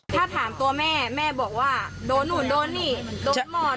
ถ้าถามตัวแม่แม่บอกว่าโดนนู่นโดนนี่โดนหมด